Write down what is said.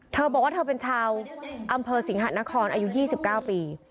เธอบอกว่าเธอเป็นชาวอำเภอสิงหะนครอายุ๒๙ปี